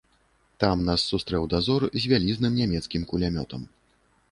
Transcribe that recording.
Там нас сустрэў дазор з вялізным нямецкім кулямётам.